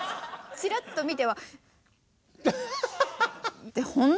ちらっと見ては。